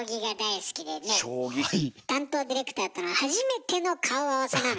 担当ディレクターとの初めての顔合わせなのよ？